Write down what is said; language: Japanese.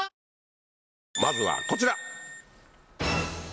まずはこちら！